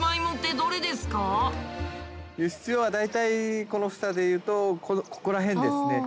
輸出用は大体この房で言うとここら辺ですね。